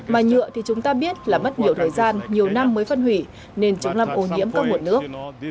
mà nhựa thì chúng ta biết là mất nhiều thời gian nhiều năm mới phân hủy nên chúng làm ô nhiễm các nguồn nước